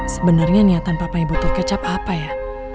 sebenernya niatan papa ibut kecap apa ya